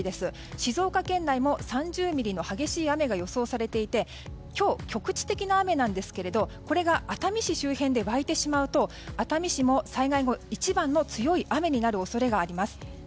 静岡県内も３０ミリの激しい雨が予想されていて今日、局地的な雨なんですけどこれが熱海市周辺で沸いてしまうと熱海市も災害後、一番の強い雨になる恐れがあります。